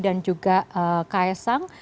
dan juga ks sang